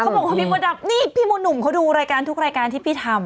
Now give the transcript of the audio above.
เขาบอกพี่มดดำนี่พี่มดหนุ่มเขาดูรายการที่พี่ทำ